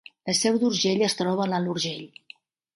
La Seu d’Urgell es troba a l’Alt Urgell